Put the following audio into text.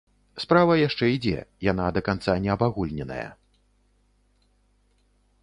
Справа яшчэ ідзе, яна да канца не абагульненая.